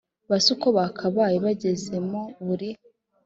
base uko bakabaye bagezemo buri